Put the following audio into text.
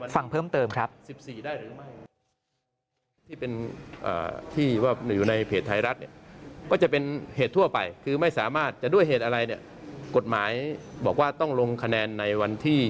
ฟังเพิ่มเติมครับ